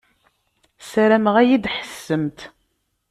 Sarameɣ ad yi-d-tḥessemt.